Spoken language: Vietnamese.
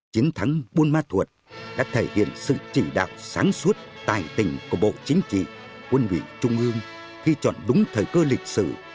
chiến thắng buôn ma thuột đã thể hiện sự chỉ đạo sáng suốt tài tình của bộ chính trị quân ủy trung ương khi chọn đúng thời cơ lịch sử